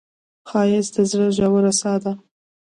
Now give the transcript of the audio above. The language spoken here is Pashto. ښایست د زړه ژور ساه ده